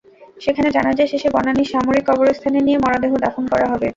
সেখানে জানাজা শেষে বনানীর সামরিক কবরস্থানে নিয়ে মরদেহ দাফন করা হবে।